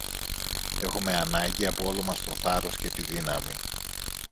Έχομε ανάγκη από όλο μας το θάρρος και τη δύναμη.